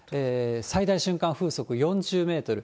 最大瞬間風速４０メートル。